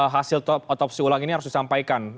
hasil otopsi ulang ini harus disampaikan